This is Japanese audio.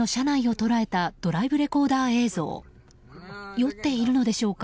酔っているのでしょうか。